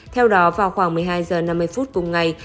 theo đó vào khoảng một mươi hai h năm mươi phút cùng ngày